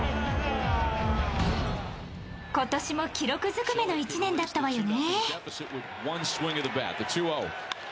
今年も記録尽くめの１年だったわよね。